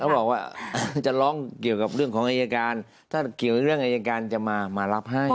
บอกว่าจะร้องเกี่ยวกับเรื่องของอายการถ้าเกี่ยวกับเรื่องอายการจะมารับให้